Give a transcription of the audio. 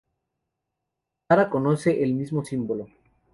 Tara reconoce el mismo símbolo.